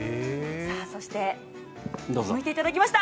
そして、むいていただきました。